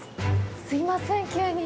すいません、急に。